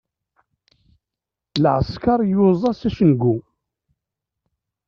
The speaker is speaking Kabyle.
Lɛesker yuẓa s acengu.